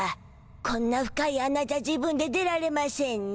こんな深い穴じゃ自分で出られましぇんな。